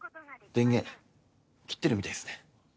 電源切ってるみたいっすね。